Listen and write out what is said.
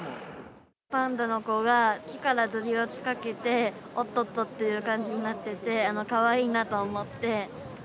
パンダの子が木からずり落ちかけて、おっとっとっていう感じになってて、かわいいなと思って。